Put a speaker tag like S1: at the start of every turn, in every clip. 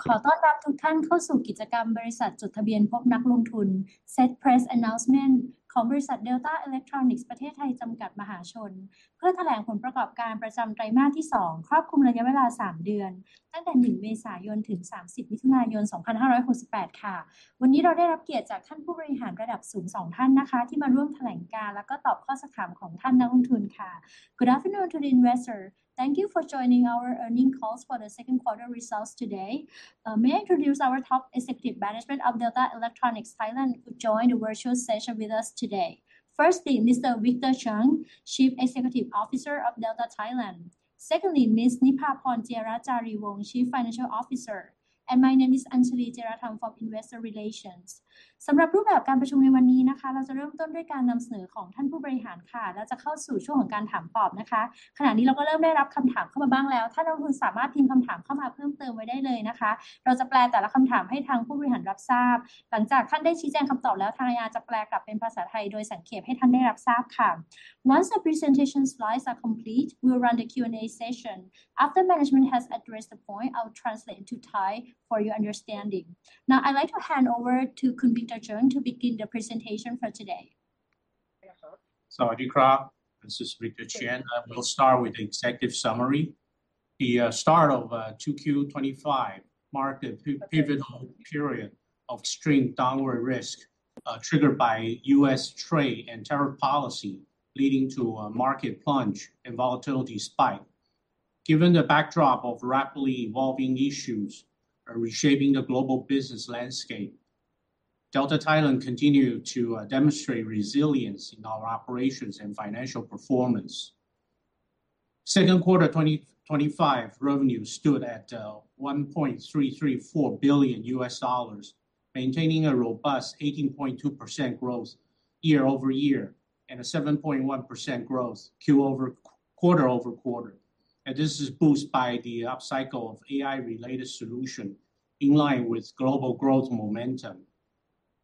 S1: ขอต้อนรับทุกท่านเข้าสู่กิจกรรมบริษัทจดทะเบียนพบนักลงทุน Set Press Announcement ของบริษัทเดลต้าอิเล็กทรอนิกส์ (ประเทศไทย) จำกัด (มหาชน) เพื่อแถลงผลประกอบการประจำไตรมาสที่สองครอบคลุมระยะเวลาสามเดือนตั้งแต่หนึ่งเมษายนถึงสามสิบมิถุนายนสองพันห้าร้อยหกสิบแปดวันนี้เราได้รับเกียรติจากท่านผู้บริหารระดับสูงสองท่านนะคะที่มาร่วมแถลงการณ์และก็ตอบข้อซักถามของท่านนักลงทุนค่ะ Good afternoon to investor. Thank you for joining our earnings calls for the Q2 results today. May I introduce our top executive management of Delta Electronics (Thailand) who join the virtual session with us today. Firstly, Mr. Victor Cheng, Chief Executive Officer of Delta Electronics (Thailand). Secondly, Miss Nipaporn Jiarajareevong, Chief Financial Officer. My name is Anchalee Jieratham from Investor Relations. สำหรับรูปแบบการประชุมในวันนี้นะคะเราจะเริ่มต้นด้วยการนำเสนอของท่านผู้บริหารค่ะแล้วจะเข้าสู่ช่วงของการถามตอบนะคะขณะนี้เราก็เริ่มได้รับคำถามเข้ามาบ้างแล้วท่านนักลงทุนสามารถพิมพ์คำถามเข้ามาเพิ่มเติมไว้ได้เลยนะคะเราจะแปลแต่ละคำถามให้ทางผู้บริหารรับทราบหลังจากท่านได้ชี้แจงคำตอบแล้วทางอาญาจะแปลกลับเป็นภาษาไทยโดยสังเขปให้ท่านได้รับทราบค่ะ Once the presentation slides are complete, we will run the Q&A session. After management has addressed the point, I'll translate to Thai for your understanding. I'd like to hand over to Mr. Victor Cheng to begin the presentation for today.
S2: สวัสดีครับ This is Victor Cheng. We'll start with the executive summary. The start of 2Q25 marked a pivotal period of extreme downward risk triggered by U.S. trade and tariff policy leading to a market plunge and volatility spike. Given the backdrop of rapidly evolving issues reshaping the global business landscape, Delta Thailand continued to demonstrate resilience in our operations and financial performance. Q2 2025 revenue stood at $1.334 billion, maintaining a robust 18.2% growth year-over-year, and a 7.1% growth quarter-over-quarter. This is boosted by the upcycle of AI related solution in line with global growth momentum.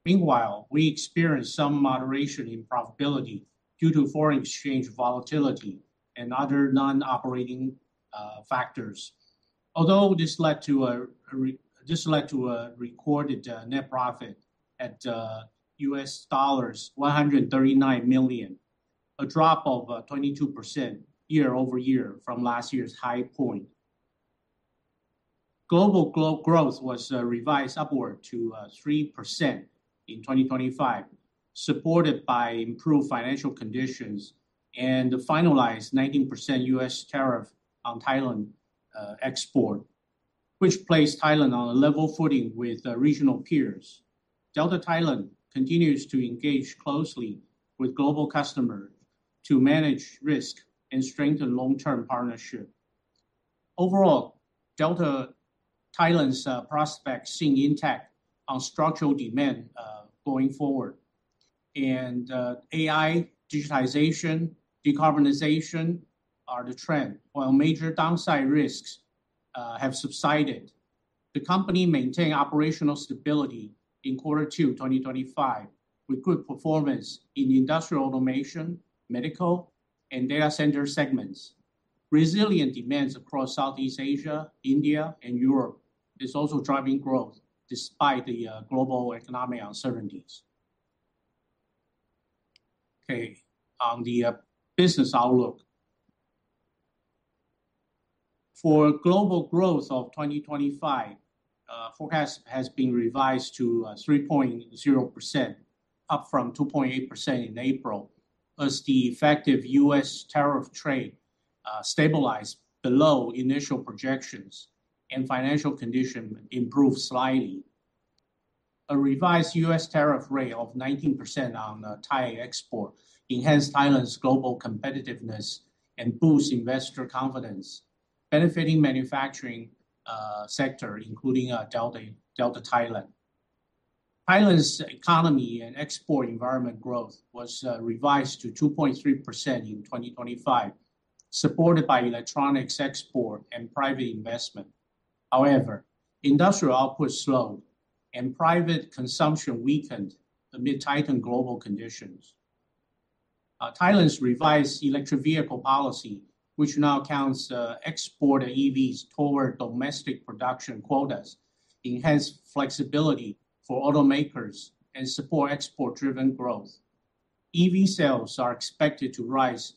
S2: Meanwhile, we experienced some moderation in profitability due to foreign exchange volatility and other non-operating factors. Although this led to a recorded net profit at $139 million, a drop of 22% year-over-year from last year's high point. Global growth was revised upward to 3% in 2025, supported by improved financial conditions and the finalized 19% U.S. tariff on Thailand exports, which placed Thailand on a level footing with regional peers. Delta Thailand continues to engage closely with global customers to manage risk and strengthen long-term partnership. Overall, Delta Thailand's prospects seem intact on structural demand going forward. AI, digitization, decarbonization are the trend while major downside risks have subsided. The company maintained operational stability in Q2 2025 with good performance in industrial automation, medical, and data center segments. Resilient demands across Southeast Asia, India, and Europe is also driving growth despite the global economic uncertainties. Okay, on the business outlook. For global growth of 2025, forecast has been revised to 3.0%, up from 2.8% in April as the effective U.S. tariff threat stabilized below initial projections and financial condition improved slightly. A revised U.S. tariff rate of 19% on Thai export enhanced Thailand's global competitiveness and boost investor confidence benefiting manufacturing sector including Delta Thailand. Thailand's economy and export environment growth was revised to 2.3% in 2025, supported by electronics export and private investment. However, industrial output slowed and private consumption weakened amid tightened global conditions. Thailand's revised electric vehicle policy, which now counts exported EVs toward domestic production quotas, enhance flexibility for automakers and support export driven growth. EV sales are expected to rise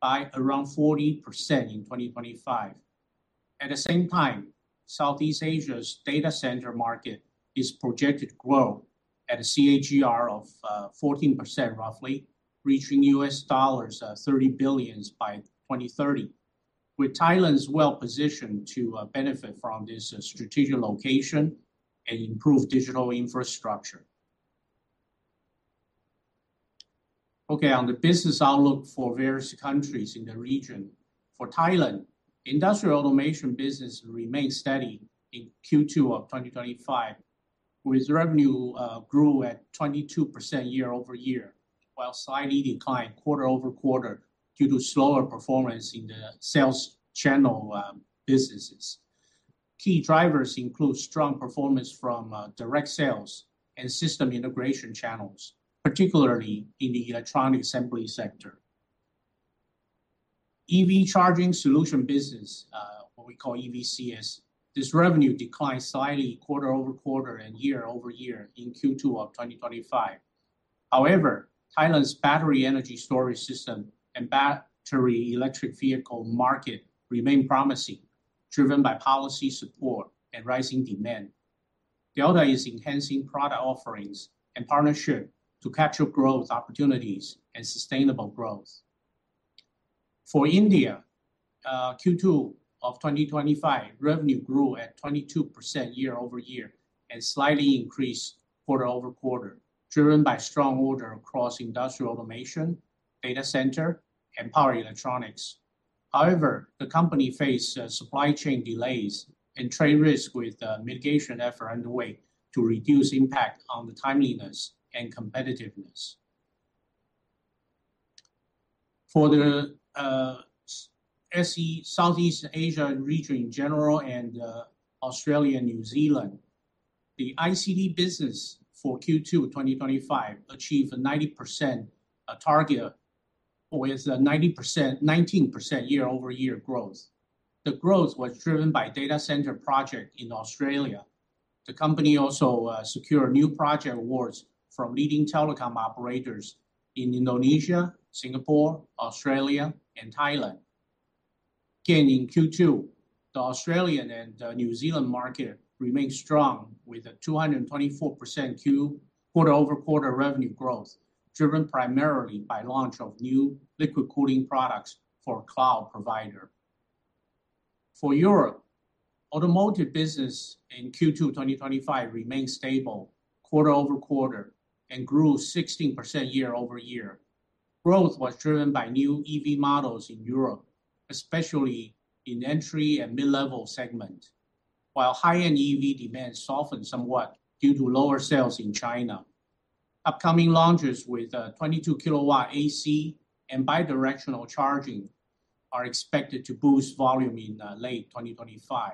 S2: by around 40% in 2025. At the same time, Southeast Asia's data center market is projected to grow at a CAGR of 14% roughly, reaching $30 billion by 2030, with Thailand's well-positioned to benefit from this strategic location and improve digital infrastructure. Okay, on the business outlook for various countries in the region. For Thailand, industrial automation business remained steady in Q2 of 2025 with revenue grew at 22% year-over-year, while slightly declined quarter-over-quarter due to slower performance in the sales channel businesses. Key drivers include strong performance from direct sales and system integration channels, particularly in the electronic assembly sector. EV charging solution business, what we call EVCS, this revenue declined slightly quarter-over-quarter and year-over-year in Q2 of 2025. However, Thailand's battery energy storage system and battery electric vehicle market remain promising, driven by policy support and rising demand. Delta is enhancing product offerings and partnership to capture growth opportunities and sustainable growth. For India, Q2 of 2025, revenue grew at 22% year-over-year and slightly increased quarter-over-quarter, driven by strong orders across industrial automation, data center, and Power Electronics. However, the company faced supply chain delays and trade risk with mitigation efforts underway to reduce impact on the timeliness and competitiveness. For the Southeast Asia region in general and Australia and New Zealand, the ICD business for Q2 2025 achieved a 90% target with a 19% year-over-year growth. The growth was driven by data center project in Australia. The company also secured new project awards from leading telecom operators in Indonesia, Singapore, Australia, and Thailand. In Q2, the Australian and New Zealand market remained strong with a 224% quarter-over-quarter revenue growth, driven primarily by launch of new liquid cooling products for cloud provider. For Europe, automotive business in Q2 2025 remained stable quarter-over-quarter and grew 16% year-over-year. Growth was driven by new EV models in Europe, especially in entry and mid-level segment. While high-end EV demand softened somewhat due to lower sales in China, upcoming launches with 22 kilowatt AC and bi-directional charging are expected to boost volume in late 2025.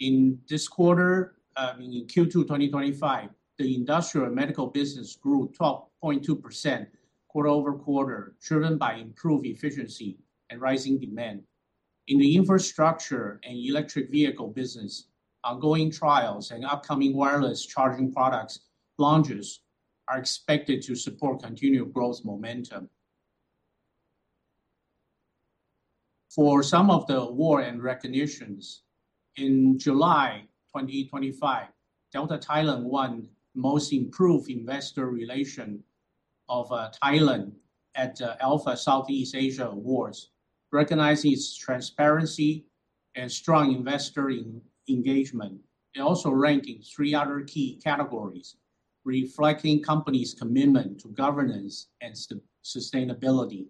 S2: In this quarter, in Q2 2025, the industrial and medical business grew 12.2% quarter-over-quarter, driven by improved efficiency and rising demand. In the infrastructure and electric vehicle business, ongoing trials and upcoming wireless charging products launches are expected to support continued growth momentum. For some of the award and recognitions, in July 2025, Delta Electronics (Thailand) won Most Improved Investor Relations of Thailand at Alpha Southeast Asia Awards, recognizing its transparency and strong investor engagement, and also ranking three other key categories reflecting company's commitment to governance and sustainability.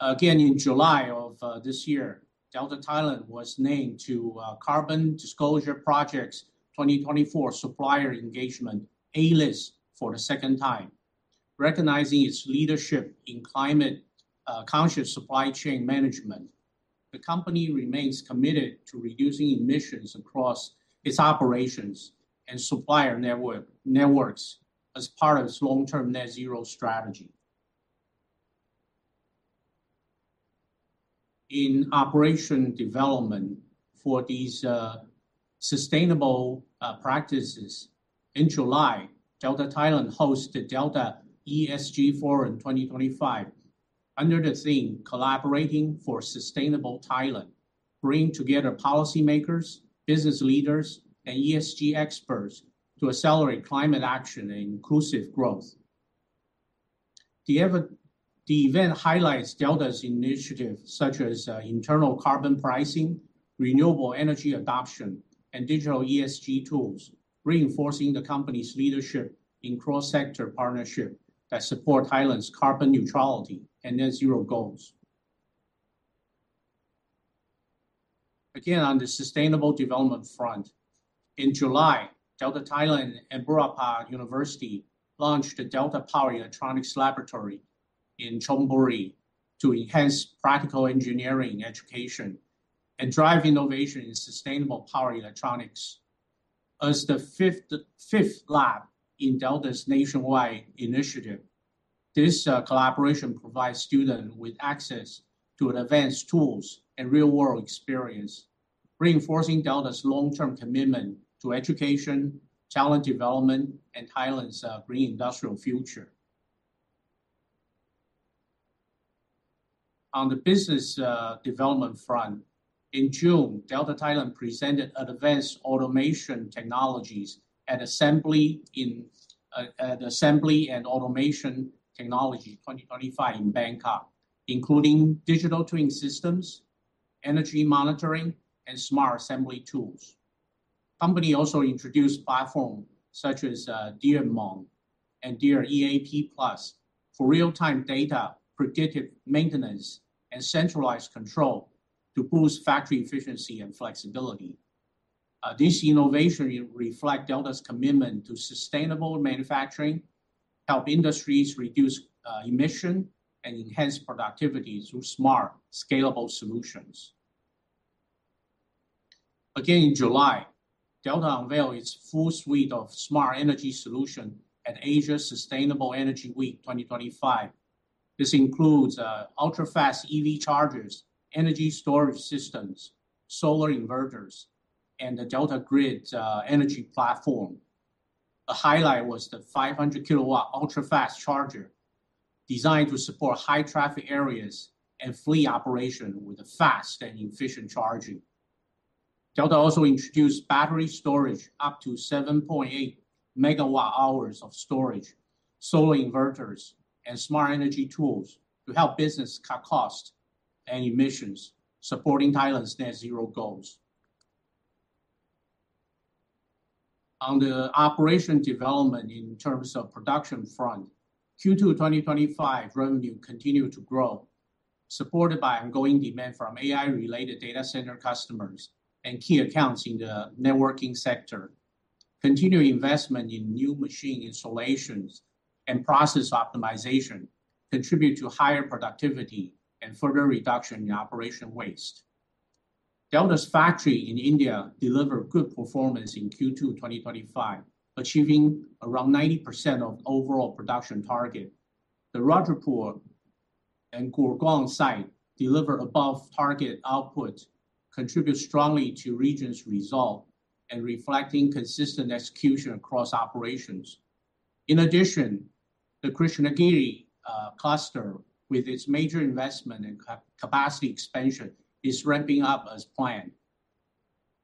S2: Again, in July of this year, Delta Thailand was named to Carbon Disclosure Project's 2024 Supplier Engagement Leaderboard for the second time, recognizing its leadership in climate conscious supply chain management. The company remains committed to reducing emissions across its operations and supplier network as part of its long-term net zero strategy. In operational development for these sustainable practices, in July, Delta Thailand hosted Delta ESG Forum 2025 under the theme Collaborating for Sustainable Thailand, bringing together policymakers, business leaders, and ESG experts to accelerate climate action and inclusive growth. The event highlights Delta's initiatives such as internal carbon pricing, renewable energy adoption, and digital ESG tools, reinforcing the company's leadership in cross-sector partnership that support Thailand's carbon neutrality and net zero goals. Again, on the sustainable development front, in July, Delta Thailand and Burapha University launched the Delta Power Electronics Laboratory in Chonburi to enhance practical engineering education and drive innovation in sustainable power electronics. As the fifth lab in Delta's nationwide initiative, this collaboration provides student with access to advanced tools and real-world experience, reinforcing Delta's long-term commitment to education, talent development, and Thailand's green industrial future. On the business development front, in June, Delta Thailand presented advanced automation technologies at Assembly & Automation Technology 2025 in Bangkok, including digital twin systems, energy monitoring, and smart assembly tools. Company also introduced platform such as DIAMoon and DIAEAP for real-time data, predictive maintenance, and centralized control to boost factory efficiency and flexibility. This innovation reflects Delta's commitment to sustainable manufacturing, help industries reduce emissions, and enhance productivity through smart, scalable solutions. Again, in July, Delta unveiled its full suite of smart energy solutions at Asia Sustainable Energy Week 2025. This includes ultrafast EV chargers, energy storage systems, solar inverters and the DeltaGrid energy platform. A highlight was the 500-kW ultrafast charger designed to support high-traffic areas and fleet operations with fast and efficient charging. Delta also introduced battery storage up to 7.8 MWh of storage, solar inverters and smart energy tools to help businesses cut costs and emissions, supporting Thailand's net zero goals. On the operational development in terms of production front, Q2 2025 revenue continued to grow, supported by ongoing demand from AI-related data center customers and key accounts in the networking sector. Continued investment in new machine installations and process optimization contribute to higher productivity and further reduction in operation waste. Delta's factory in India delivered good performance in Q2 2025, achieving around 90% of overall production target. The Rajapur and Gurugram site delivered above target output, contribute strongly to region's result and reflecting consistent execution across operations. In addition, the Krishnagiri cluster with its major investment in capacity expansion is ramping up as planned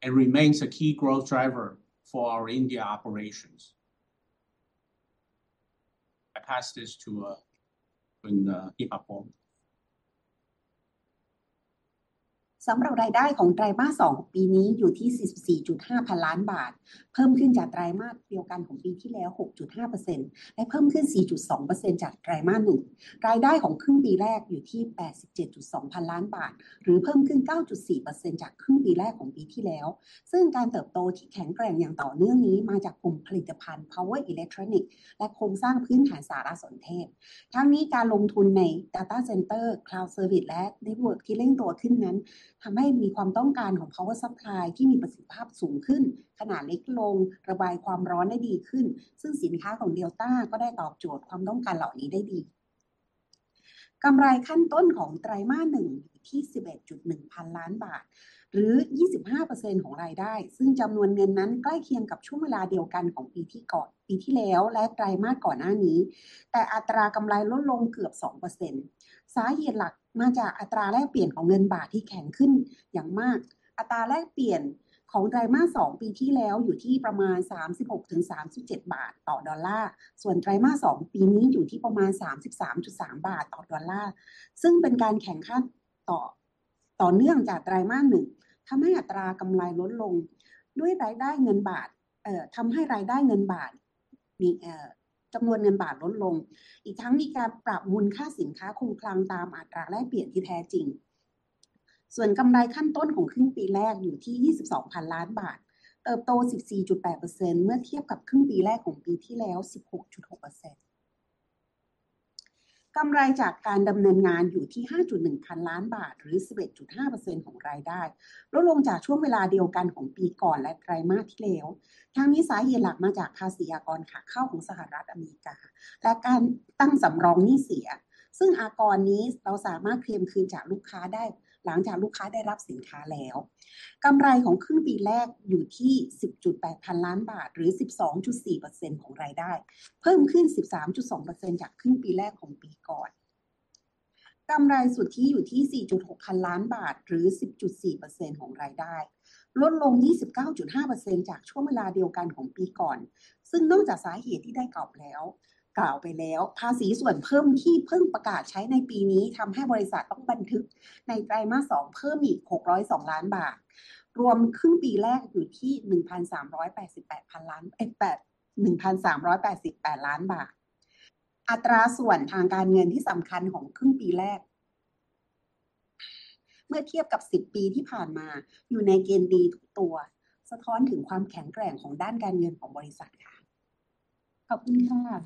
S2: and remains a key growth driver for our India operations. I pass this to Nipaporn,
S3: สำหรับรายได้ของไตรมาสสองของปีนี้อยู่ที่ 44.5 พันล้านบาทเพิ่มขึ้นจากไตรมาสเดียวกันของปีที่แล้ว 6.5% และเพิ่มขึ้น 4.2% จากไตรมาสหนึ่งรายได้ของครึ่งปีแรกอยู่ที่ 87.2 พันล้านบาทหรือเพิ่มขึ้น 9.4% จากครึ่งปีแรกของปีที่แล้วซึ่งการเติบโตที่แข็งแกร่งอย่างต่อเนื่องนี้มาจากกลุ่มผลิตภัณฑ์ Power Electronics และโครงสร้างพื้นฐานสารสนเทศ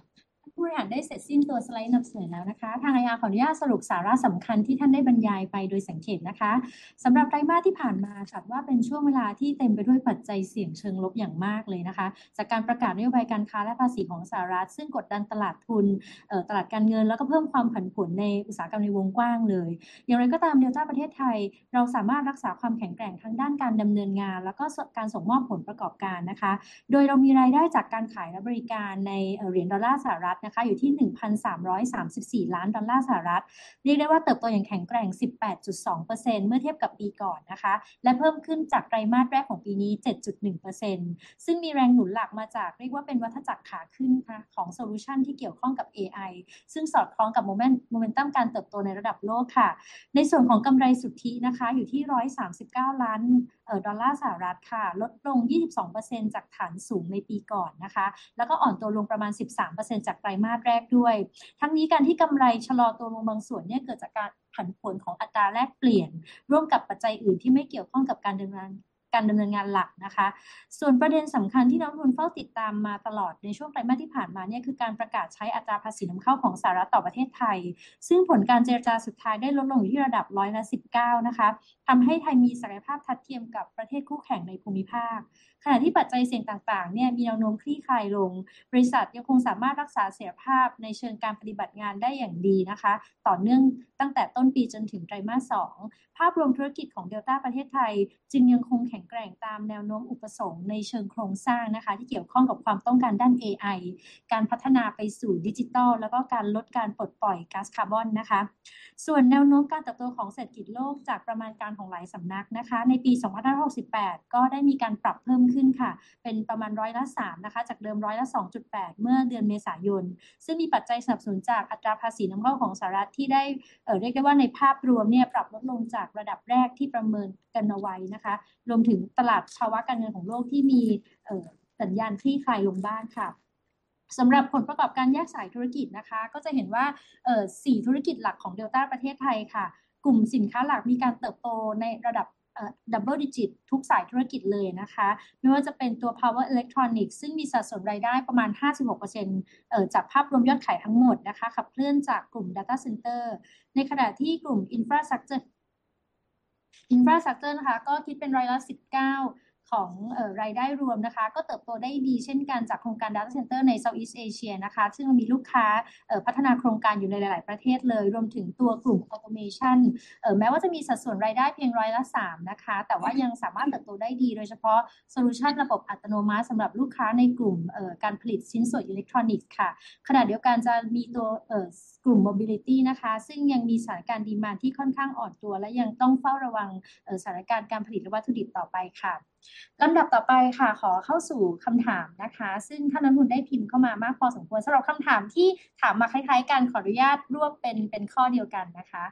S3: ทั้งนี้การลงทุนใน
S1: ขณะเดียวกันจะมีตัวกลุ่ม mobility นะคะซึ่งยังมีสถานการณ์ demand ที่ค่อนข้างอ่อนตัวและยังต้องเฝ้าระวังสถานการณ์การผลิตและวัตถุดิบต่อไปค่ะลำดับต่อไปค่ะขอเข้าสู่คำถามนะคะซึ่งท่านนักลงทุนได้พิมพ์เข้ามามากพอสมควรสำหรับคำถามที่ถามมาคล้ายๆกันขออนุญาตรวบเป็นข้อเดียวกันนะคะ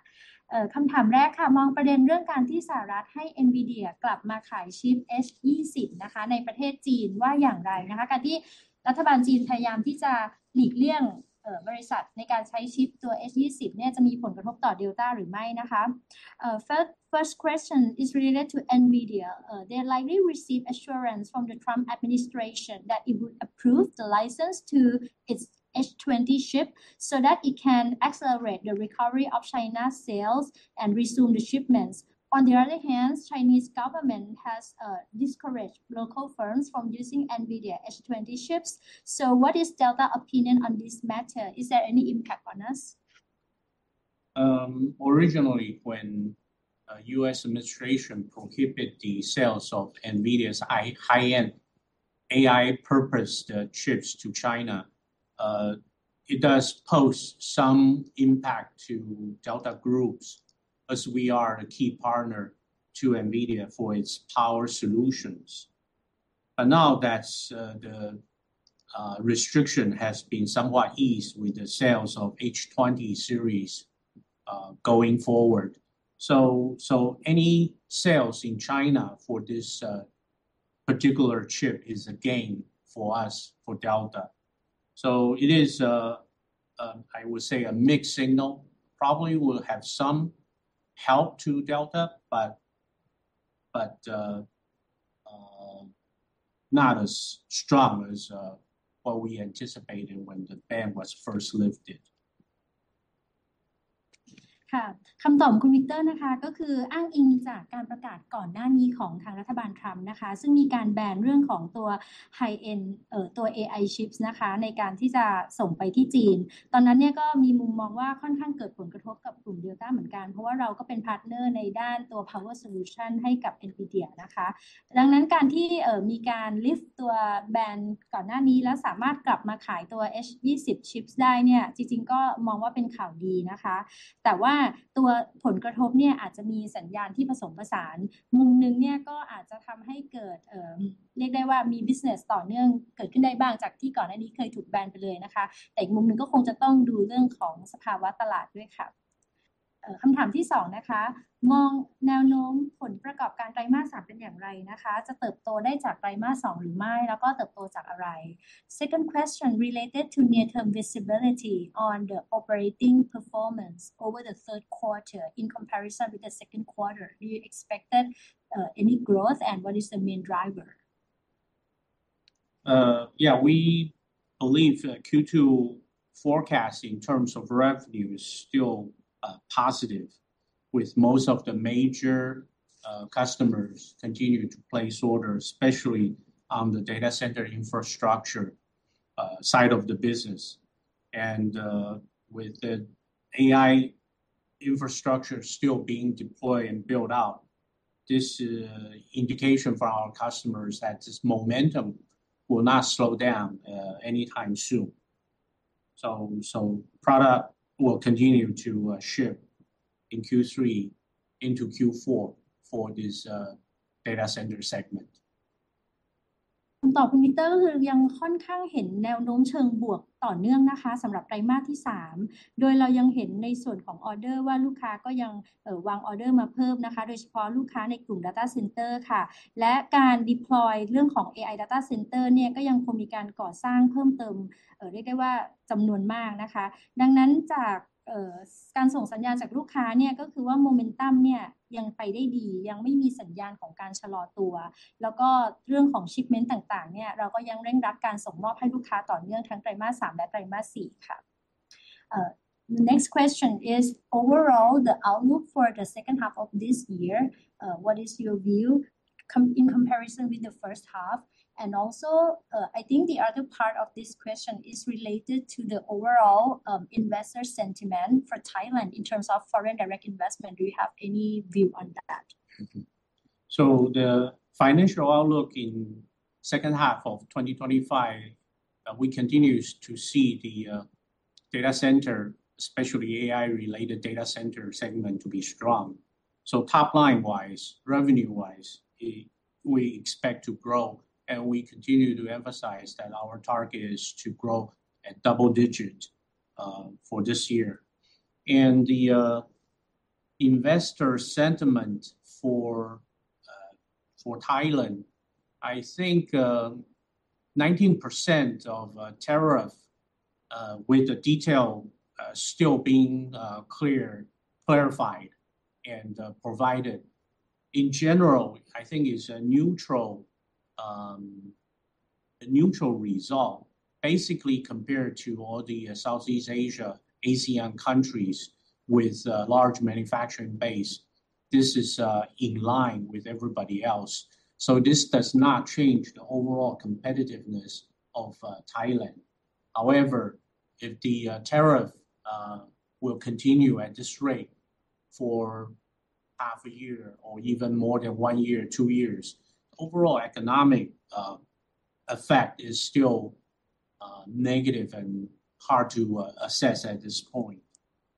S1: คำถามแรกค่ะมองประเด็นเรื่องการที่สหรัฐให้ NVIDIA กลับมาขายชิป H20 นะคะในประเทศจีนว่าอย่างไรนะคะการที่รัฐบาลจีนพยายามที่จะหลีกเลี่ยงบริษัทในการใช้ชิปตัว H20 เนี่ยจะมีผลกระทบต่อ Delta หรือไม่นะคะคำถามแรกเกี่ยวข้องกับ NVIDIA. They likely received assurance from the Trump administration that it would approve the license to its H20 chip so that it can accelerate the recovery of China's sales and resume the shipments. On the other hand, Chinese government has discouraged local firms from using NVIDIA H20 chips. What is Delta opinion on this matter? Is there any impact on us?
S2: Originally when U.S. administration prohibited the sales of NVIDIA's high-end AI-purposed chips to China, it does pose some impact to Delta Group as we are a key partner to NVIDIA for its power solutions. Now that the restriction has been somewhat eased with the sales of H20 series going forward. Any sales in China for this particular chip is a gain for us, for Delta. It is, I would say a mixed signal. Probably will have some help to Delta, but not as strong as what we anticipated when the ban was first lifted.
S1: คำตอบของคุณวิคเตอร์นะคะก็คืออ้างอิงจากการประกาศก่อนหน้านี้ของทางรัฐบาล Trump นะคะซึ่งมีการแบนเรื่องของตัว high-end ตัว AI chips นะคะในการที่จะส่งไปที่จีนตอนนั้นเนี่ยก็มีมุมมองว่าค่อนข้างเกิดผลกระทบกับกลุ่ม Delta เหมือนกันเพราะว่าเราก็เป็น partner ในด้านตัว power solution ให้กับ NVIDIA นะคะดังนั้นการที่มีการ lift ตัวแบนก่อนหน้านี้แล้วสามารถกลับมาขายตัว H20 chips ได้เนี่ยจริงๆก็มองว่าเป็นข่าวดีนะคะแต่ว่าตัวผลกระทบเนี่ยอาจจะมีสัญญาณที่ผสมผสานมุมนึงเนี่ยก็อาจจะทำให้เกิดเรียกได้ว่ามี business ต่อเนื่องเกิดขึ้นได้บ้างจากที่ก่อนหน้านี้เคยถูกแบนไปเลยนะคะแต่อีกมุมนึงก็คงจะต้องดูเรื่องของสภาวะตลาดด้วยค่ะคำถามที่สองนะคะมองแนวโน้มผลประกอบการไตรมาสสามเป็นอย่างไรนะคะจะเติบโตได้จากไตรมาสสองหรือไม่แล้วก็เติบโตจากอะไร Second question related to near-term visibility on the operating performance over the Q3 in comparison with the Q2. Do you expect any growth and what is the main driver?
S2: Yeah, we believe Q2 forecast in terms of revenue is still positive with most of the major customers continue to place orders, especially on the data center infrastructure side of the business. With the AI infrastructure still being deployed and built out, this indication for our customers that this momentum will not slow down anytime soon. Product will continue to ship in Q3 into Q4 for this data center segment.
S1: คำตอบคุณวิคเตอร์ก็คือยังค่อนข้างเห็นแนวโน้มเชิงบวกต่อเนื่องนะคะสำหรับไตรมาสที่สามโดยเรายังเห็นในส่วนของ order ว่าลูกค้าก็ยังวาง order มาเพิ่มนะคะโดยเฉพาะลูกค้าในกลุ่ม data center ค่ะและการ deploy เรื่องของ AI data center เนี่ยก็ยังคงมีการก่อสร้างเพิ่มเติมเรียกได้ว่าจำนวนมากนะคะดังนั้นจากการส่งสัญญาณจากลูกค้าเนี่ยก็คือว่าโมเมนตัมเนี่ยยังไปได้ดียังไม่มีสัญญาณของการชะลอตัวแล้วก็เรื่องของ shipment ต่างๆเนี่ยเราก็ยังเร่งรัดการส่งมอบให้ลูกค้าต่อเนื่องทั้งไตรมาสสามและไตรมาสสี่ค่ะ Next question is overall the outlook for the second half of this year, what is your view in comparison with the first half? I think the other part of this question is related to the overall investor sentiment for Thailand in terms of foreign direct investment. Do you have any view on that?
S2: The financial outlook in second half of 2025, we continue to see the data center, especially AI related data center segment to be strong. Top line wise, revenue wise, we expect to grow and we continue to emphasize that our target is to grow at double-digit for this year. The investor sentiment for Thailand, I think, 19% tariff with the detail still being clarified and provided. In general, I think it's a neutral result. Basically, compared to all the Southeast Asia ASEAN countries with a large manufacturing base, this is in line with everybody else. This does not change the overall competitiveness of Thailand. However, if the tariff will continue at this rate for half a year or even more than one year, two years, overall economic effect is still negative and hard to assess at this point.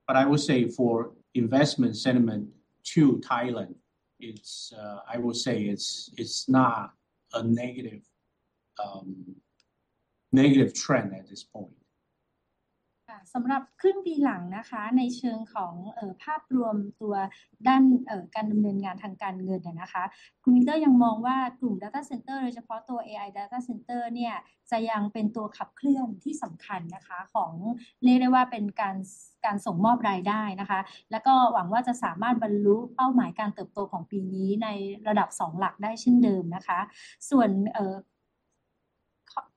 S2: I would say for investment sentiment to Thailand, it's not a negative trend at this point.
S1: สำหรับครึ่งปีหลังนะคะในเชิงของภาพรวมด้านการดำเนินงานทางการเงินนั้นนะคะคุณวิคเตอร์ยังมองว่ากลุ่ม Data Center โดยเฉพาะตัว AI Data Center เนี่ยจะยังเป็นตัวขับเคลื่อนที่สำคัญนะคะของเรียกได้ว่าเป็นการส่งมอบรายได้นะคะแล้วก็หวังว่าจะสามารถบรรลุเป้าหมายการเติบโตของปีนี้ในระดับสองหลักได้เช่นเดิมนะคะ ส่วนคร่อ...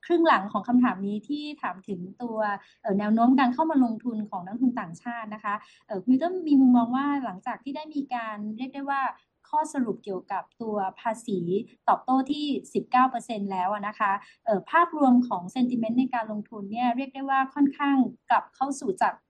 S1: ครึ่งหลังของคำถามนี้ที่ถามถึงตัวแนวโน้มการเข้ามาลงทุนของนักลงทุนต่างชาตินะคะคุณวิคเตอร์มีมุมมองว่าหลังจากที่ได้มีการเรียกได้ว่าข้อสรุปเกี่ยวกับตัวภาษีตอบโต้ที่ 19% แล้วอะนะคะภาพรวมของ Sentiment ในการลงทุนเนี่ยเรียกได้ว่าค่อนข้างกลับเข้าสู่จาก Negative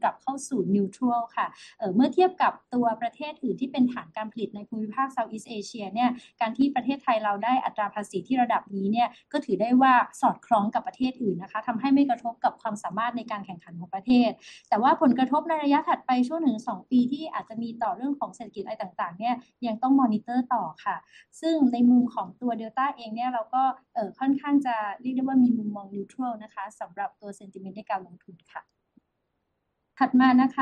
S1: กลับเข้าสู่ Neutral ค่ะเมื่อเทียบกับตัวประเทศอื่นที่เป็นฐานการผลิตในภูมิภาค Southeast Asia เนี่ยการที่ประเทศไทยเราได้อัตราภาษีที่ระดับนี้เนี่ยก็ถือได้ว่าสอดคล้องกับประเทศอื่นนะคะทำให้ไม่กระทบกับความสามารถในการแข่งขันของประเทศแต่ว่าผลกระทบในระยะถัดไปช่วงหนึ่งถึงสองปีที่อาจจะมีต่อเรื่องของเศรษฐกิจอะไรต่างๆเนี่ยยังต้อง Monitor ต่อค่ะซึ่งในมุมของตัว Delta เองเนี่ยเราก็ค่อนข้างจะเรียกได้ว่ามีมุมมอง Neutral นะคะสำหรับตัว Sentiment ในการลงทุนค่ะถัดมานะคะ Delta มองสถานการณ์เรื่องภาษีของ Trump ต่อจากนี้เป็นยังไงนะคะหลังจากที่ไทยถูกเก็บภาษี 19% อันนี้น่าจะตอบโจทย์ไปแล้วในคำถามข้อที่แล้วนะคะแต่ว่าเดี๋ยวอาจจะขออนุญาตลองเช็กกับคุณวิคเตอร์นิดนึงว่าจะมีมุมมองเพิ่มไหมในส่วน Part ที่เกี่ยวกับ Delta โดยตรงเท่านั้นนะคะ This question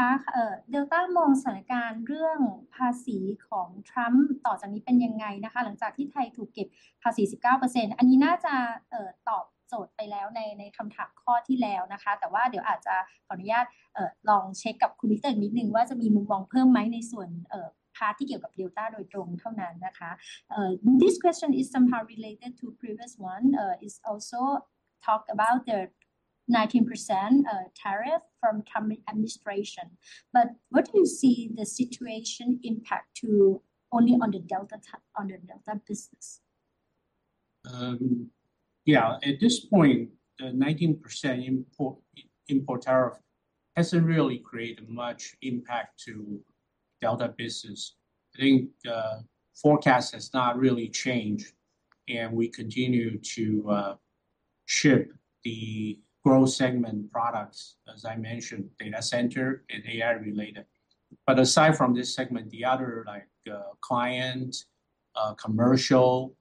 S1: is somehow related to previous one. It's also talk about the 19% tariff from Trump administration. What do you see the situation impact to only on the Delta business?
S2: Yeah. At this point, the 19% import tariff hasn't really created much impact to Delta business. I think forecast has not really changed, and we continue to ship the growth segment products, as I mentioned, data center and AI related. But aside from this segment, the other like client, commercial,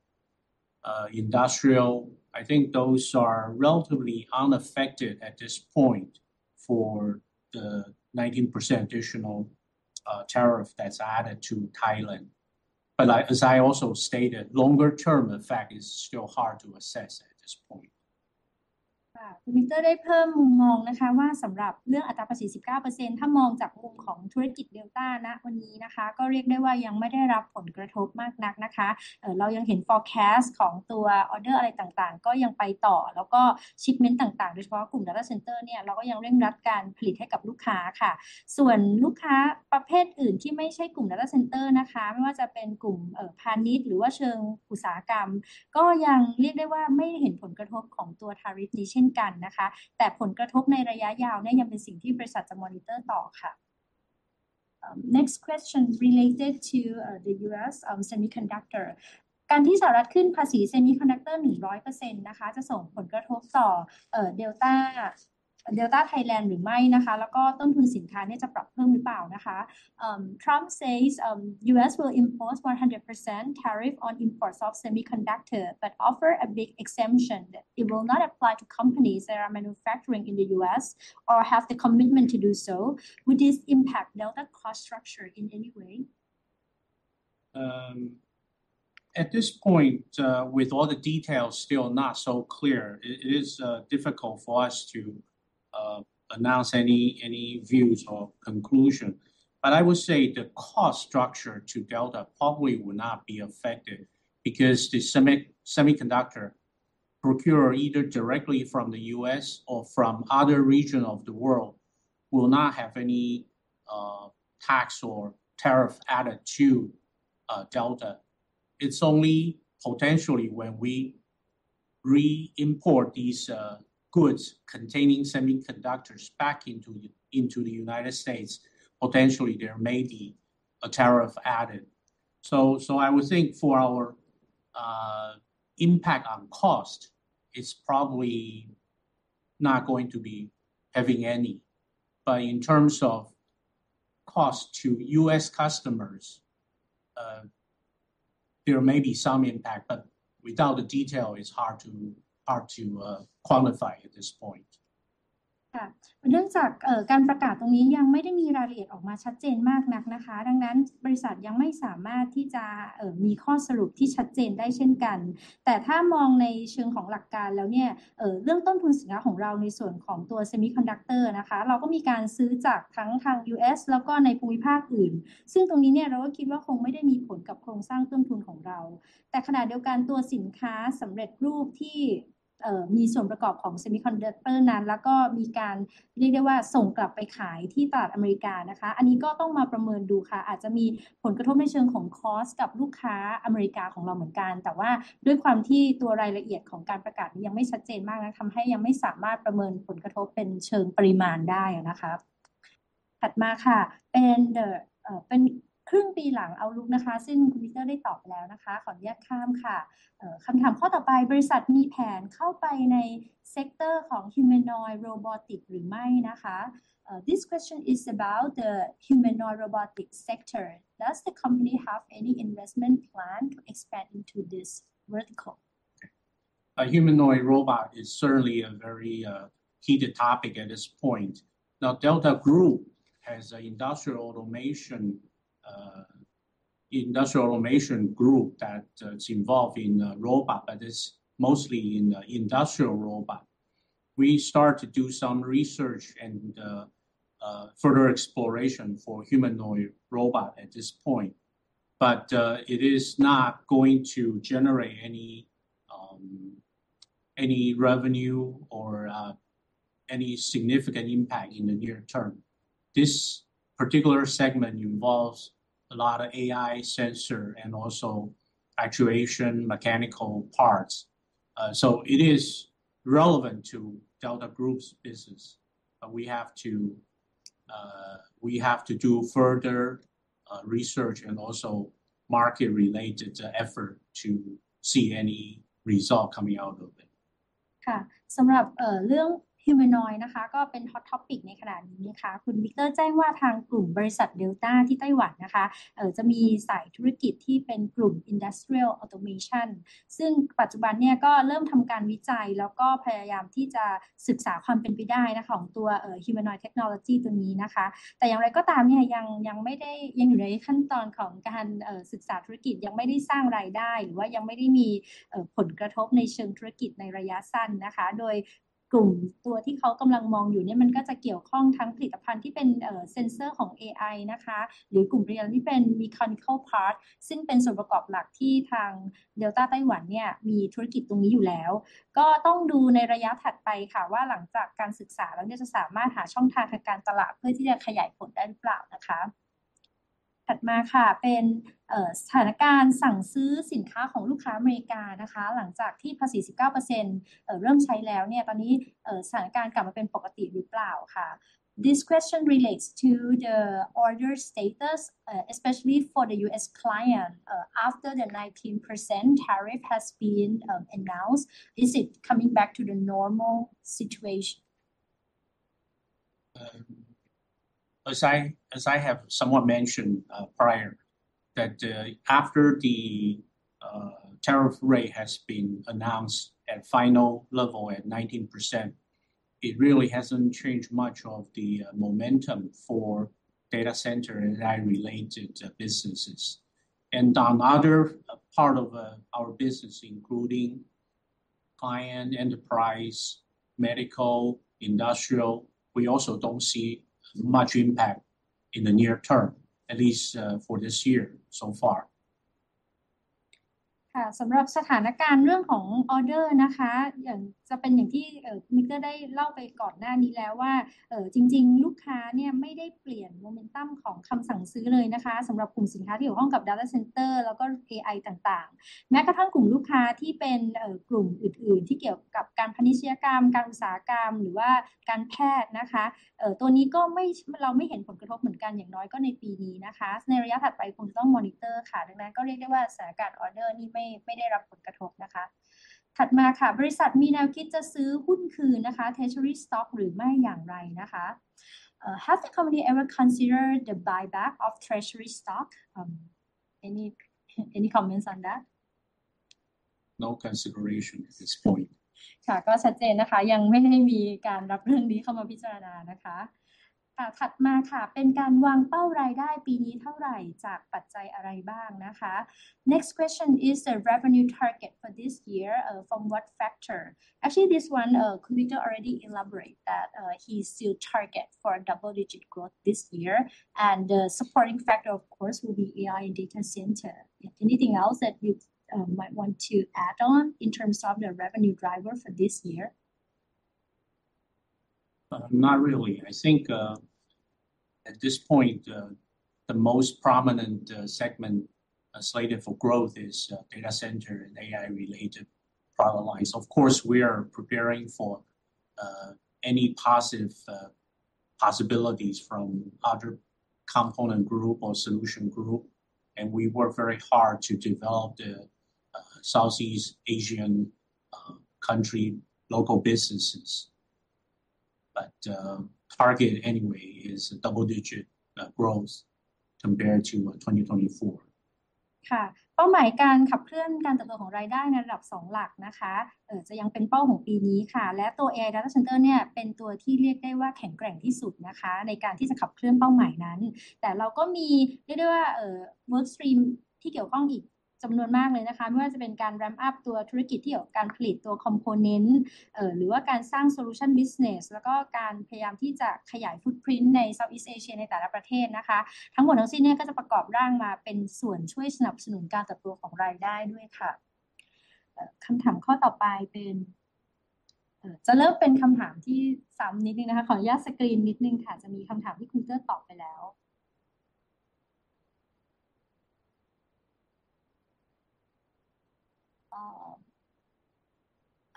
S2: industrial, I think those are relatively unaffected at this point for the 19% additional tariff that's added to Thailand. But like, as I also stated, longer term effect is still hard to assess at this point.
S1: คุณวิคเตอร์ได้เพิ่มมุมมองนะคะว่าสำหรับเรื่องอัตราภาษี 19% ถ้ามองจากมุมของธุรกิจ Delta ณวันนี้นะคะก็เรียกได้ว่ายังไม่ได้รับผลกระทบมากนักนะคะเรายังเห็น Forecast ของตัว Order อะไรต่างๆก็ยังไปต่อแล้วก็ Shipment ต่างๆโดยเฉพาะกลุ่ม Data Center เนี่ยเราก็ยังเร่งรัดการผลิตให้กับลูกค้าค่ะส่วนลูกค้าประเภทอื่นที่ไม่ใช่กลุ่ม Data Center นะคะไม่ว่าจะเป็นกลุ่มพาณิชย์หรือว่าเชิงอุตสาหกรรมก็ยังเรียกได้ว่าไม่เห็นผลกระทบของตัว Tariff นี้เช่นกันนะคะแต่ผลกระทบในระยะยาวเนี่ยยังเป็นสิ่งที่บริษัทจะ Monitor ต่อค่ะ Next question related to the US semiconductor. การที่สหรัฐขึ้นภาษี Semiconductor 100% นะคะจะส่งผลกระทบต่อเอ่อ Delta Thailand หรือไม่นะคะแล้วก็ต้นทุนสินค้าเนี่ยจะปรับเพิ่มหรือเปล่านะคะ Trump says US will impose 100% tariff on imports of semiconductor, but offer a big exemption that it will not apply to companies that are manufacturing in the US or have the commitment to do so. Would this impact Delta's cost structure in any way?
S2: At this point, with all the details still not so clear, it is difficult for us to announce any views or conclusion. I would say the cost structure to Delta probably will not be affected because the semiconductor procure either directly from the U.S. or from other region of the world will not have any tax or tariff added to Delta. It's only potentially when we re-import these goods containing semiconductors back into the United States. Potentially, there may be a tariff added. I would think for our impact on cost, it's probably not going to be having any. In terms of cost to U.S. customers, there may be some impact, but without the detail, it's hard to quantify at this point.
S1: เนื่องจากการประกาศตรงนี้ยังไม่ได้มีรายละเอียดออกมาชัดเจนมากนักดังนั้นบริษัทยังไม่สามารถที่จะมีข้อสรุปที่ชัดเจนได้เช่นกันแต่ถ้ามองในเชิงของหลักการแล้วเรื่องต้นทุนสินค้าของเราในส่วนของตัว Semiconductor นั้นเราก็มีการซื้อจากทั้งทาง US แล้วก็ในภูมิภาคอื่นซึ่งตรงนี้เราก็คิดว่าคงไม่ได้มีผลกับโครงสร้างต้นทุนของเราแต่ขณะเดียวกันตัวสินค้าสำเร็จรูปที่มีส่วนประกอบของ Semiconductor นั้นแล้วก็มีการเรียกได้ว่าส่งกลับไปขายที่ตลาดอเมริกาอันนี้ก็ต้องมาประเมินดูค่ะอาจจะมีผลกระทบในเชิงของ Cost กับลูกค้าอเมริกาของเราเหมือนกันแต่ว่าด้วยความที่ตัวรายละเอียดของการประกาศนี้ยังไม่ชัดเจนมากนักทำให้ยังไม่สามารถประเมินผลกระทบเป็นเชิงปริมาณได้นะคะถัดมาค่ะเป็นครึ่งปีหลัง Outlook นะคะซึ่งคุณวิคเตอร์ได้ตอบไปแล้วนะคะขออนุญาตข้ามค่ะคำถามข้อต่อไปบริษัทมีแผนเข้าไปใน Sector ของ Humanoid Robotics หรือไม่นะคะ This question is about the Humanoid Robotics sector. Does the company have any investment plan to expand into this vertical?
S2: A humanoid robot is certainly a very heated topic at this point. Now, Delta Group has an industrial automation group that is involved in robot, but it's mostly in industrial robot. We start to do some research and further exploration for humanoid robot at this point. It is not going to generate any revenue or any significant impact in the near term. This particular segment involves a lot of AI sensor and also actuation mechanical parts. It is relevant to Delta Group's business, but we have to do further research and also market related effort to see any result coming out of it.
S1: สำหรับเรื่อง Humanoid นะคะก็เป็น Hot topic ในขณะนี้นะคะคุณวิคเตอร์แจ้งว่าทางกลุ่มบริษัท Delta ที่ไต้หวันนะคะจะมีสายธุรกิจที่เป็นกลุ่ม Industrial Automation ซึ่งปัจจุบันเนี่ยก็เริ่มทำการวิจัยแล้วก็พยายามที่จะศึกษาความเป็นไปได้นะคะของ Humanoid Technology ตัวนี้นะคะแต่อย่างไรก็ตามเนี่ยยังไม่ได้ยังอยู่ในขั้นตอนของการศึกษาธุรกิจยังไม่ได้สร้างรายได้หรือว่ายังไม่ได้มีผลกระทบในเชิงธุรกิจในระยะสั้นนะคะโดยกลุ่มตัวที่เขากำลังมองอยู่เนี่ยมันก็จะเกี่ยวข้องทั้งผลิตภัณฑ์ที่เป็น Sensor ของ AI นะคะหรือกลุ่มผลิตภัณฑ์ที่เป็น Mechanical Part ซึ่งเป็นส่วนประกอบหลักที่ทาง Delta ไต้หวันเนี่ยมีธุรกิจตรงนี้อยู่แล้วก็ต้องดูในระยะถัดไปค่ะว่าหลังจากการศึกษาแล้วเนี่ยจะสามารถหาช่องทางทางการตลาดเพื่อที่จะขยายผลได้หรือเปล่านะคะถัดมาค่ะเป็นสถานการณ์สั่งซื้อสินค้าของลูกค้าอเมริกานะคะหลังจากที่ภาษี 19% เริ่มใช้แล้วเนี่ยตอนนี้สถานการณ์กลับมาเป็นปกติหรือเปล่าค่ะ This question relates to the order status, especially for the US client. After the 19% tariff has been announced, is it coming back to the normal situation?
S2: As I have somewhat mentioned prior, that after the tariff rate has been announced at final level at 19%, it really hasn't changed much of the momentum for data center and AI related businesses. On other part of our business, including client, enterprise, medical, industrial, we also don't see much impact in the near term, at least for this year so far.
S1: สำหรับสถานการณ์เรื่องของ Order นะคะอย่างจะเป็นอย่างที่คุณวิคเตอร์ได้เล่าไปก่อนหน้านี้แล้วว่าจริงๆลูกค้าเนี่ยไม่ได้เปลี่ยน Momentum ของคำสั่งซื้อเลยนะคะสำหรับกลุ่มสินค้าที่เกี่ยวข้องกับ Data Center แล้วก็ AI ต่างๆแม้กระทั่งกลุ่มลูกค้าที่เป็นกลุ่มอื่นๆที่เกี่ยวกับการพาณิชยกรรมการอุตสาหกรรมหรือว่าการแพทย์นะคะตัวนี้ก็ไม่เราไม่เห็นผลกระทบเหมือนกันอย่างน้อยก็ในปีนี้นะคะในระยะถัดไปคงต้อง Monitor ค่ะดังนั้นก็เรียกได้ว่าสถานการณ์ Order นี่ไม่ได้รับผลกระทบนะคะถัดมาค่ะบริษัทมีแนวคิดจะซื้อหุ้นคืนนะคะ Treasury Stock หรือไม่อย่างไรนะคะ Has the company ever considered the buyback of treasury stock? Any comments on that?
S2: No consideration at this point.
S1: ค่ะก็ชัดเจนนะคะยังไม่ได้มีการรับเรื่องนี้เข้ามาพิจารณานะคะค่ะถัดมาค่ะเป็นการวางเป้ารายได้ปีนี้เท่าไหร่จากปัจจัยอะไรบ้างนะคะ Next question is the revenue target for this year, from what factor? Actually, this one, Victor Cheng already elaborate that, he still target for double-digit growth this year. The supporting factor, of course, will be AI and data center. Anything else that you'd might want to add on in terms of the revenue driver for this year?
S2: Not really. I think, at this point, the most prominent segment slated for growth is data center and AI-related product lines. Of course, we are preparing for any positive possibilities from other component group or solution group, and we work very hard to develop the Southeast Asian country local businesses. Target anyway is a double-digit growth compared to 2024.
S1: เป้าหมายการขับเคลื่อนการเติบโตของรายได้ในระดับสองหลักนะคะจะยังเป็นเป้าของปีนี้ค่ะและตัว AI Data Center เนี่ยเป็นตัวที่เรียกได้ว่าแข็งแกร่งที่สุดนะคะในการที่จะขับเคลื่อนเป้าหมายนั้นแต่เราก็มีเรียกได้ว่า Work Stream ที่เกี่ยวข้องอีกจำนวนมากเลยนะคะไม่ว่าจะเป็นการ Ramp up ตัวธุรกิจที่เกี่ยวกับการผลิตตัว Component หรือว่าการสร้าง Solution Business แล้วก็การพยายามที่จะขยาย Footprint ใน Southeast Asia ในแต่ละประเทศนะคะทั้งหมดทั้งสิ้นนี้ก็จะประกอบร่างมาเป็นส่วนช่วยสนับสนุนการเติบโตของรายได้ด้วยค่ะคำถามข้อต่อไปจะเริ่มเป็นคำถามที่ซ้ำนิดนึงนะคะขออนุญาต Screen นิดนึงค่ะจะมีคำถามที่คุณวิคเตอร์ตอบไปแล้ว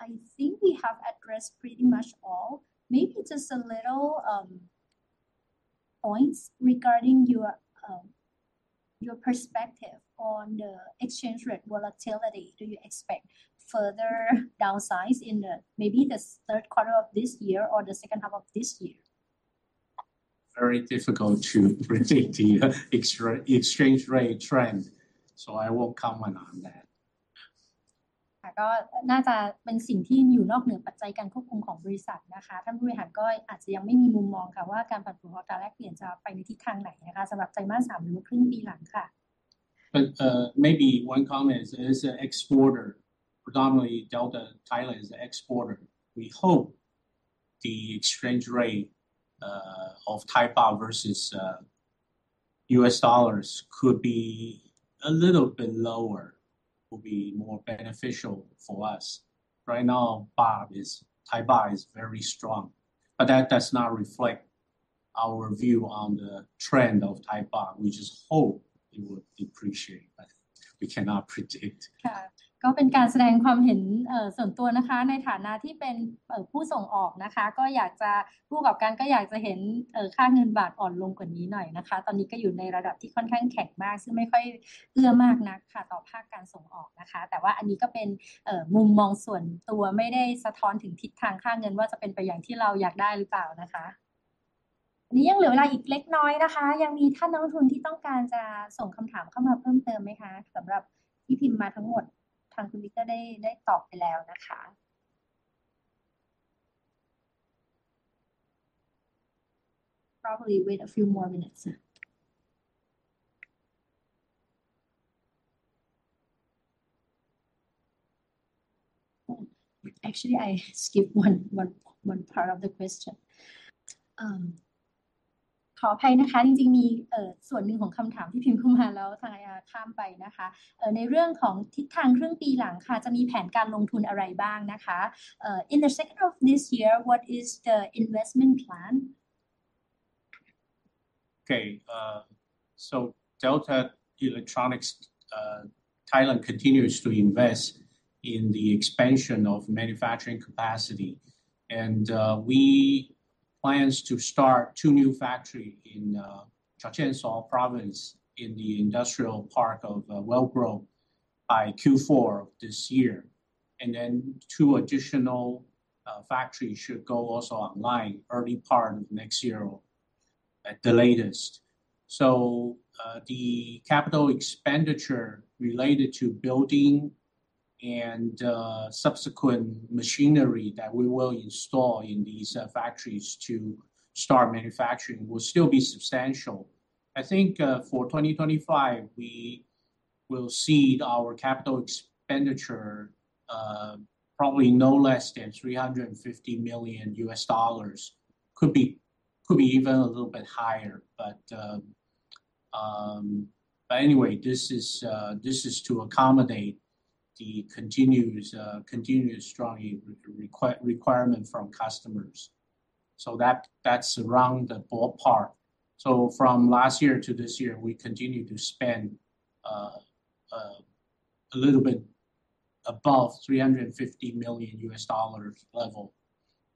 S1: I think we have address pretty much all. Maybe just a little points regarding your perspective on the exchange rate volatility. Do you expect further downside in maybe the Q3 of this year or the second half of this year.
S2: Very difficult to predict the exchange rate trend. I won't comment on that.
S1: ก็น่าจะเป็นสิ่งที่อยู่นอกเหนือปัจจัยการควบคุมของบริษัทนะคะท่านผู้บริหารก็อาจจะยังไม่มีมุมมองค่ะว่าการปรับปรุงอัตราแลกเปลี่ยนจะไปในทิศทางไหนนะคะสำหรับไตรมาสสามหรือครึ่งปีหลังค่ะ
S2: Maybe one comment is as an exporter predominantly Delta Thailand is the exporter. We hope the exchange rate of Thai Baht versus U.S. dollars could be a little bit lower will be more beneficial for us. Right now the Baht is very strong. That does not reflect our view on the trend of Thai Baht, we just hope it will depreciate. We cannot predict.
S1: ก็เป็นการแสดงความเห็นส่วนตัวนะคะในฐานะที่เป็นผู้ส่งออกนะคะก็อยากจะผู้ประกอบการก็อยากจะเห็นค่าเงินบาทอ่อนลงกว่านี้หน่อยนะคะตอนนี้ก็อยู่ในระดับที่ค่อนข้างแข็งมากซึ่งไม่ค่อยเอื้อมากนักค่ะต่อภาคการส่งออกนะคะแต่ว่าอันนี้ก็เป็นมุมมองส่วนตัวไม่ได้สะท้อนถึงทิศทางค่าเงินว่าจะเป็นไปอย่างที่เราอยากได้หรือเปล่านะคะนี่ยังเหลือเวลาอีกเล็กน้อยนะคะยังมีท่านนักลงทุนที่ต้องการจะส่งคำถามเข้ามาเพิ่มเติมไหมคะสำหรับที่พิมพ์มาทั้งหมดทางคุณวิคเตอร์ได้ตอบไปแล้วนะคะ Probably wait a few more minutes. Actually I skip one part of the question. ขอโทษนะคะจริงๆมีส่วนหนึ่งของคำถามที่พิมพ์เข้ามาแล้วทางอาญ่าข้ามไปนะคะในเรื่องของทิศทางครึ่งปีหลังค่ะจะมีแผนการลงทุนอะไรบ้างนะคะ In the second half of this year, what is the investment plan?
S2: Okay, Delta Electronics (Thailand) continues to invest in the expansion of manufacturing capacity and we plan to start two new factories in Chachoengsao Province in the industrial park of Well Grow by Q4 of this year. Two additional factories should also go online early part of next year at the latest. The capital expenditure related to building and subsequent machinery that we will install in these factories to start manufacturing will still be substantial. I think for 2025, we will see our capital expenditure probably no less than $350 million. Could be even a little bit higher, but anyway, this is to accommodate the continuous strong requirement from customers. That's around the ballpark. From last year to this year, we continue to spend a little bit above $350 million level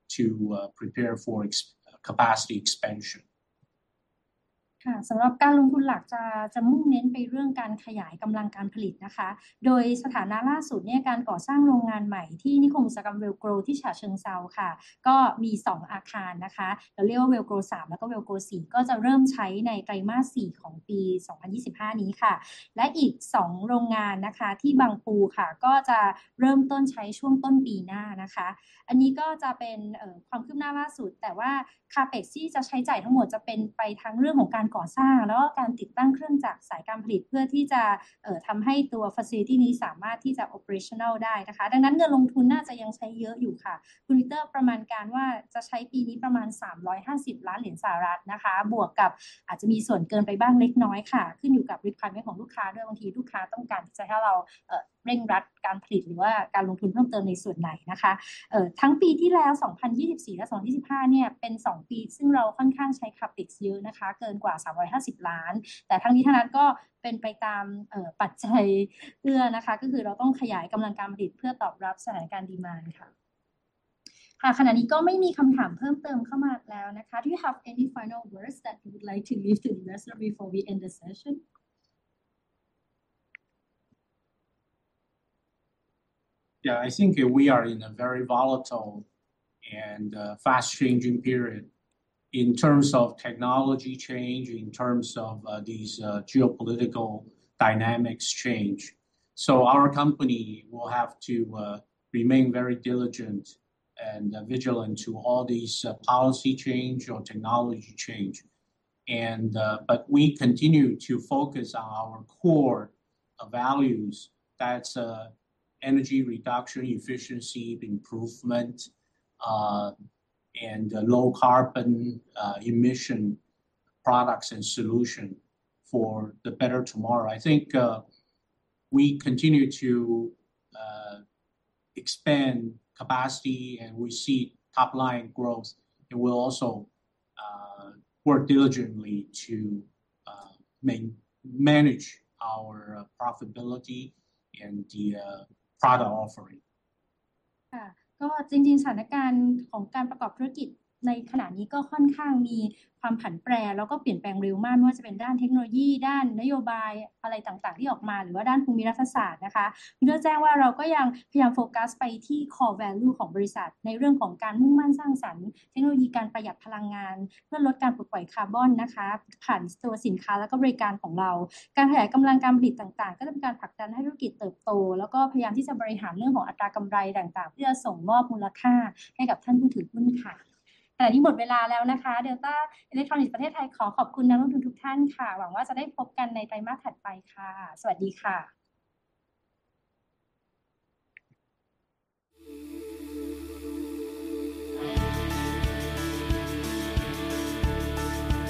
S2: to prepare for capacity expansion.
S1: สำหรับการลงทุนหลักจะมุ่งเน้นไปเรื่องการขยายกำลังการผลิตนะคะโดยสถานะล่าสุดเนี่ยการก่อสร้างโรงงานใหม่ที่นิคมอุตสาหกรรมเวลโกรว์ที่ฉะเชิงเทราค่ะก็มีสองอาคารนะคะเราเรียกว่าเวลโกรว์สามแล้วก็เวลโกรว์สี่ก็จะเริ่มใช้ในไตรมาสสี่ของปี 2025 นี้ค่ะและอีกสองโรงงานนะคะที่บางปูค่ะก็จะเริ่มต้นใช้ช่วงต้นปีหน้านะคะอันนี้ก็จะเป็นความคืบหน้าล่าสุดแต่ว่า Capex ที่จะใช้จ่ายทั้งหมดจะเป็นไปทางเรื่องของการก่อสร้างแล้วก็การติดตั้งเครื่องจักรสายการผลิตเพื่อที่จะทำให้ตัว Facility นี้สามารถที่จะ Operational ได้นะคะดังนั้นเงินลงทุนน่าจะยังใช้เยอะอยู่ค่ะคุณวิคเตอร์ประมาณการว่าจะใช้ปีนี้ประมาณ USD 350 ล้านนะคะบวกกับอาจจะมีส่วนเกินไปบ้างเล็กน้อยค่ะขึ้นอยู่กับ Requirement ของลูกค้าด้วยบางทีลูกค้าต้องการที่จะให้เราเร่งรัดการผลิตหรือว่าการลงทุนเพิ่มเติมในส่วนไหนนะคะทั้งปีที่แล้ว 2024 และ 2025 เนี่ยเป็นสองปีซึ่งเราค่อนข้างใช้ Capex เยอะนะคะเกินกว่า USD 350 ล้านแต่ทั้งนี้ทั้งนั้นก็เป็นไปตามปัจจัยเอื้อนะคะก็คือเราต้องขยายกำลังการผลิตเพื่อตอบรับสถานการณ์ Demand ค่ะขณะนี้ก็ไม่มีคำถามเพิ่มเติมเข้ามาแล้วนะคะ Do you have any final words that you would like to leave to investors before we end the session?
S2: Yeah, I think we are in a very volatile and fast changing period in terms of technology change, in terms of these geopolitical dynamics change. Our company will have to remain very diligent and vigilant to all these policy change or technology change. We continue to focus on our core values. That's energy reduction, efficiency improvement, and low carbon emission products and solution for the better tomorrow. I think we continue to expand capacity and we see top line growth. We'll also work diligently to manage our profitability and the product offering.
S1: ค่ะก็จริงๆสถานการณ์ของการประกอบธุรกิจในขณะนี้ก็ค่อนข้างมีความผันแปรแล้วก็เปลี่ยนแปลงเร็วมากไม่ว่าจะเป็นด้านเทคโนโลยีด้านนโยบายอะไรต่างๆที่ออกมาหรือว่าด้านภูมิรัฐศาสตร์นะคะคุณวิคเตอร์แจ้งว่าเราก็ยังพยายามโฟกัสไปที่ Core Value ของบริษัทในเรื่องของการมุ่งมั่นสร้างสรรค์เทคโนโลยีการประหยัดพลังงานเพื่อลดการปลดปล่อยคาร์บอนนะคะผ่านตัวสินค้าแล้วก็บริการของเราการขยายกำลังการผลิตต่างๆก็จะเป็นการผลักดันให้ธุรกิจเติบโตแล้วก็พยายามที่จะบริหารเรื่องของอัตรากำไรต่างๆเพื่อส่งมอบมูลค่าให้กับท่านผู้ถือหุ้นค่ะขณะนี้หมดเวลาแล้วนะคะเดลต้าอิเล็กโทรนิคส์ประเทศไทยขอขอบคุณนักลงทุนทุกท่านค่ะหวังว่าจะได้พบกันในไตรมาสถัดไปค่ะสวัสดีค่ะ